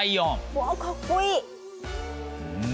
わあかっこいい！